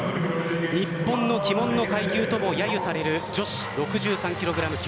日本の鬼門の階級ともやゆされる女子６３ｋｇ級。